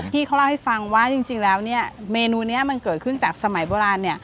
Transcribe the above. เขาเล่าให้ฟังว่าจริงแล้วเมนูนี้มันเกิดขึ้นจากสมัยโบราณ